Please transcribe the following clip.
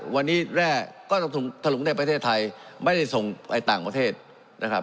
วันนี้แร่ก็ถลุงในประเทศไทยไม่ได้ส่งไปต่างประเทศนะครับ